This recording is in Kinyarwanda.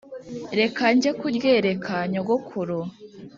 Reka njye kuryereka nyogokuru